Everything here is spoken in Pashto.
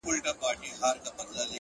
اوس نه راکوي راته پېغور باڼه!